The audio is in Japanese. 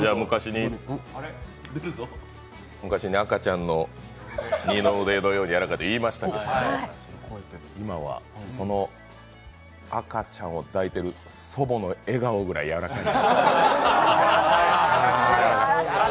昔に赤ちゃんの二の腕のようにやらかいって言いましたけど今はその赤ちゃんを抱いてる祖母の笑顔ぐらいやわかい。